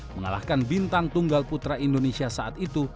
mengalahkan bintang tunggal putra indonesia saat itu